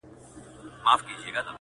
نه مي وېره له برېښنا نه له توپانه!.